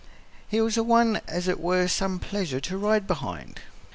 He was a one as it were some pleasure to ride behind."